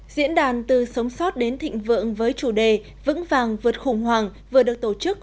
diễn đàn từ sống sót đến thịnh vượng với chủ đề vững vàng vượt khủng hoảng vừa được tổ chức